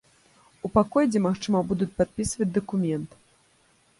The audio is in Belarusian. У пакой дзе магчыма будуць падпісваць дакумент.